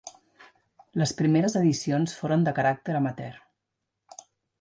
Les primeres edicions foren de caràcter amateur.